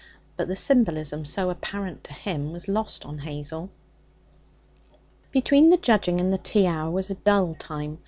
But the symbolism, so apparent to him, was lost on Hazel. Between the judging and the tea hour was a dull time.